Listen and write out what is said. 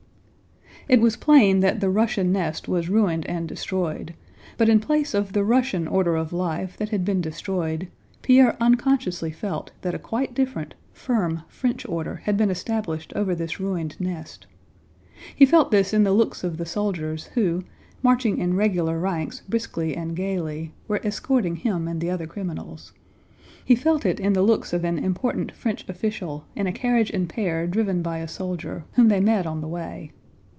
It was plain that the Russian nest was ruined and destroyed, but in place of the Russian order of life that had been destroyed, Pierre unconsciously felt that a quite different, firm, French order had been established over this ruined nest. He felt this in the looks of the soldiers who, marching in regular ranks briskly and gaily, were escorting him and the other criminals; he felt it in the looks of an important French official in a carriage and pair driven by a soldier, whom they met on the way.